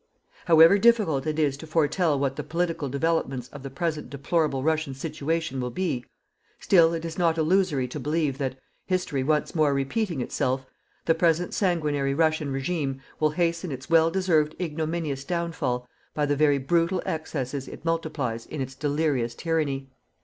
However difficult it is to foretell what the political developments of the present deplorable Russian situation will be, still it is not illusory to believe that, history once more repeating itself, the present sanguinary Russian regime will hasten its well deserved ignominious downfall by the very brutal excesses it multiplies in its delirious tyranny.